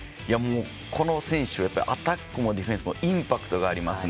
この選手はアタックもディフェンスもインパクトがありますね。